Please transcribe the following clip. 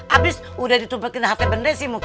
abis udah ditumpetin htbn sih mukanya